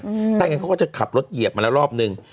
ถ้าอย่างนั้นเขาก็จะขับรถเหยียบมาแล้วรอบนึง